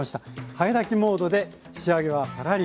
早炊きモードで仕上げはパラリ。